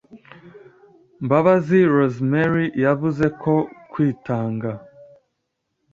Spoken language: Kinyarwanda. Mbabazi Rosemary, yavuze ko kwitanga